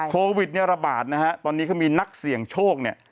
โควิดเนี่ยระบาดนะฮะตอนนี้ก็มีนักเสี่ยงโชคเนี่ย